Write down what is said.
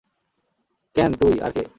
কেন তুই, আর কে?